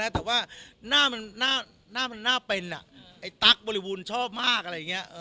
แต่ว่าหน้ามันน่าเป็นไอ้ตั๊กบริบูรณ์ชอบมากอะไรอย่างนี้